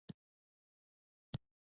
پنځلسم لوست د بلخي ابن سینا په اړه دی.